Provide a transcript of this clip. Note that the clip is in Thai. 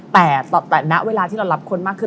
แต่ตอนแต่นั้นเวลาที่เรารับคนมากขึ้น